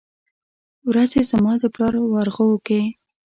ورځې زما د پلار ورغوو کې ،